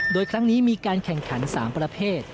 โดยครั้งนี้มีการแข่งขัน๓ประเภท